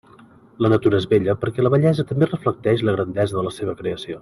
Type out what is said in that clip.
La natura és bella, perquè la bellesa també reflecteix la grandesa de la seva creació.